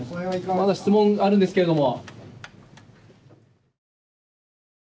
まだ質問あるんですけれども。